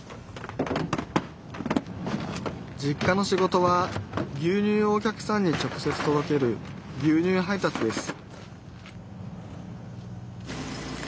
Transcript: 実家の仕事は牛乳をお客さんに直接とどける牛乳配達です